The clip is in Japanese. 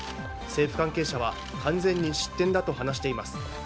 政府関係者は完全に失点だと話しています。